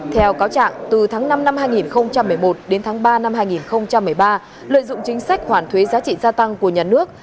theo cáo trạng từ tháng năm năm hai nghìn một mươi một đến tháng ba năm hai nghìn một mươi ba lợi dụng chính sách hoàn thuế giá trị gia tăng của nhà nước